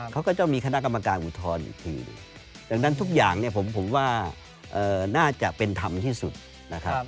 เขาก็จะมีคณะกรรมการอุทธรณ์อีกทีดังนั้นทุกอย่างเนี่ยผมว่าน่าจะเป็นธรรมที่สุดนะครับ